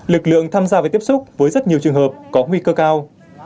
lực lượng tham gia và tiếp xúc với rất nhiều trường hợp có nguy cơ cao